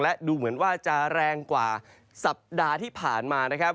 และดูเหมือนว่าจะแรงกว่าสัปดาห์ที่ผ่านมานะครับ